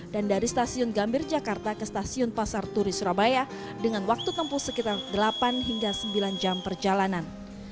dan dari stasiun gambir jakarta ke stasiun pasar turi surabaya dengan waktu tempuh sekitar delapan hingga sembilan jam perjalanan